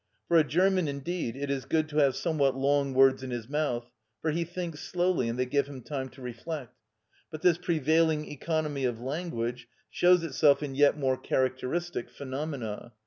For a German indeed it is good to have somewhat long words in his mouth; for he thinks slowly, and they give him time to reflect. But this prevailing economy of language shows itself in yet more characteristic phenomena.